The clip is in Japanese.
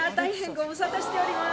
ご無沙汰しております